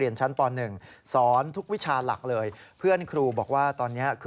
แล้วก็อยากให้เรื่องนี้จบไปเพราะว่ามันกระทบกระเทือนทั้งจิตใจของคุณครู